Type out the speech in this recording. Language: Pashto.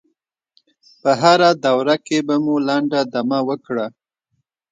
په هره دوره کې به مو لنډه دمه وکړه.